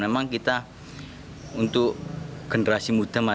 memang kita untuk generasi muda